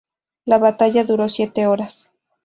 La batalla duró siete horas.